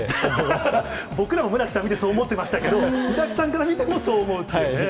ま僕らも村木さん見て、そう思ってましたけど、村木さんから見ても、そう思うと。